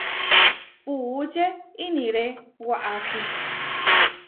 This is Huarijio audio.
Puúče iniré waʼasi.